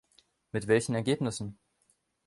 Mit welchen Ergebnissen?